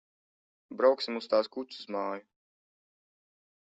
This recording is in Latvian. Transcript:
Brauksim uz tās kuces māju.